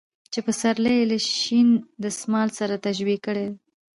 چې پسرلى يې له شين دسمال سره تشبيه کړى دى .